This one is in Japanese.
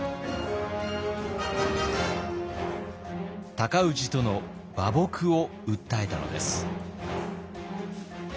尊氏との和睦を訴えたのです。